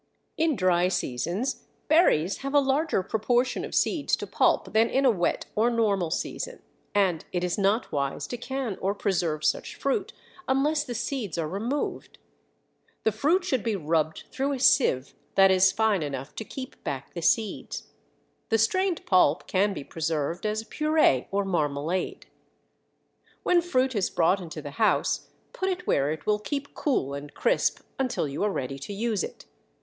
In dry seasons berries have a larger proportion of seeds to pulp than in a wet or normal season, and it is not wise to can or preserve such fruit unless the seeds are removed. The fruit should be rubbed through a sieve that is fine enough to keep back the seeds. The strained pulp can be preserved as a purée or marmalade. When fruit is brought into the house put it where it will keep cool and crisp until you are ready to use it.